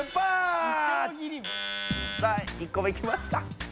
さあ１個目来ました。